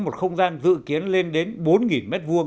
một không gian dự kiến lên đến bốn m hai